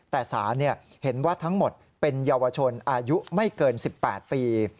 แต่สารเห็นว่าทั้งหมดเป็นเยาวชนอายุไม่เกิน๑๘ปี